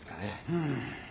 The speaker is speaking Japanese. うん。